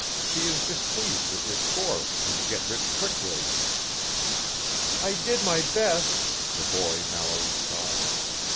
She is displeased with your score in the get rich quick race." "I did my best," the boy Mallory sobbed.